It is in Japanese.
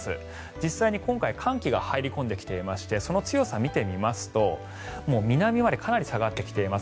実際に今回寒気が入り込んできていましてその強さを見てみますと南までかなり下がってきています